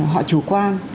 họ chủ quan